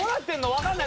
わかんない。